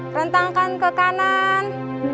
rentangkan ke kanan